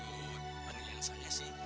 menurut pandangan saya sih